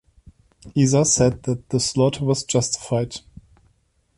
Isa said that the slaughter was justified.